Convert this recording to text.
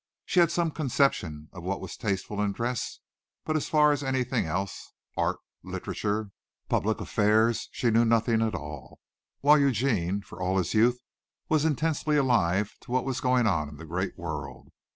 She had some conception of what was tasteful in dress, but as for anything else, art, literature, public affairs, she knew nothing at all, while Eugene, for all his youth, was intensely alive to what was going on in the great world.